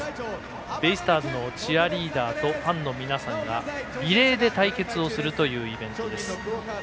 ベイスターズのチアリーダーとファンの皆さんがリレーで対決をするというイベントです。